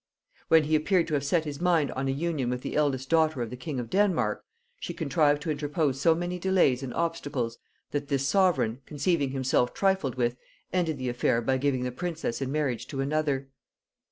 When he appeared to have set his mind on a union with the eldest daughter of the king of Denmark, she contrived to interpose so many delays and obstacles that this sovereign, conceiving himself trifled with, ended the affair by giving the princess in marriage to another.